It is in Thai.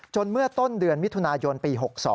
เมื่อต้นเดือนมิถุนายนปี๖๒